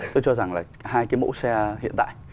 tôi cho rằng là hai cái mẫu xe hiện tại